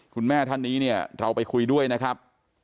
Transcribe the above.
คุณแม่ท่านนี้เนี่ยเราไปคุยด้วยนะครับ